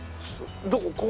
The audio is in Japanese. どこ？